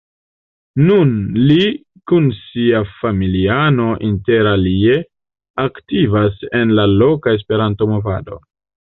Nun li kun sia familiano inter alie aktivas en la loka Esperanto-movado.